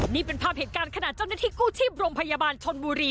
นี่เป็นภาพเหตุการณ์ขณะเจ้าหน้าที่กู้ชีพโรงพยาบาลชนบุรี